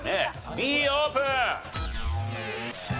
Ｂオープン！